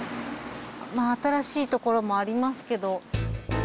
新しいところもありますけど。